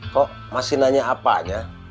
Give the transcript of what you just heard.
kok masih nanya apanya